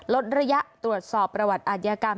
ลดระยะตรวจสอบภาพประหวัดอาธิกรรม